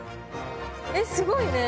えっすごいね。